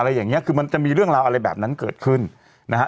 อย่างเงี้คือมันจะมีเรื่องราวอะไรแบบนั้นเกิดขึ้นนะฮะ